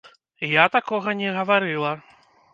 Я такога не гаварыла.